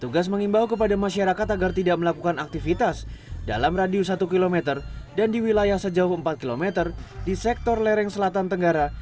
tugas mengimbau kepada masyarakat agar tidak melakukan aktivitas dalam radius satu km dan di wilayah sejauh empat km di sektor lereng selatan tenggara